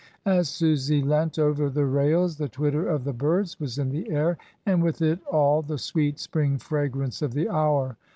As Susy leant over the rails the twitter of the birds was in the air, and with it all the sweet spring fragrance of the hour.